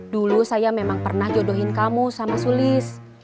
dulu saya memang pernah jodohin kamu sama sulis